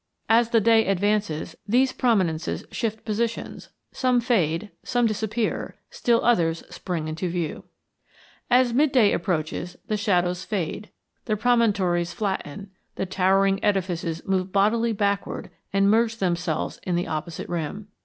As the day advances these prominences shift positions; some fade; some disappear; still others spring into view. As midday approaches the shadows fade; the promontories flatten; the towering edifices move bodily backward and merge themselves in the opposite rim.